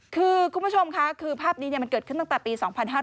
คือคุณผู้ชมค่ะคือภาพนี้มันเกิดขึ้นตั้งแต่ปี๒๕๕๙